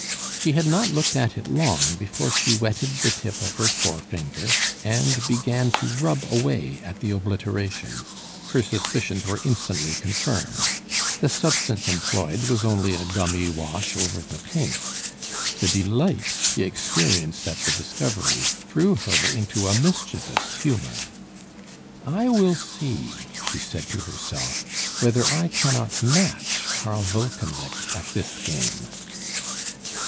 She had not looked at it long, before she wetted the tip of her forefinger, and began to rub away at the obliteration. Her suspicions were instantly confirmed: the substance employed was only a gummy wash over the paint. The delight she experienced at the discovery threw her into a mischievous humour. "I will see," she said to herself, "whether I cannot match Karl Wolkenlicht at this game."